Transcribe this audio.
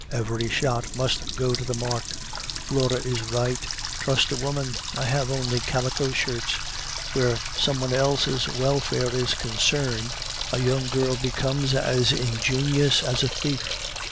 "Every shot must go to the mark! Laure is right. Trust a woman! I have only calico shirts. Where some one else's welfare is concerned, a young girl becomes as ingenious as a thief.